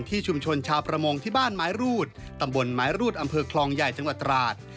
ตำบลไม้รูดอำเภอคลองใหญ่จังหวัดตราด